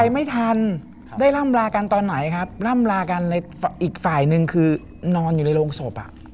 ไม่ทันได้ร่ำลากันตอนไหนครับร่ำลากันในอีกฝ่ายหนึ่งคือนอนอยู่ในโรงศพอ่ะ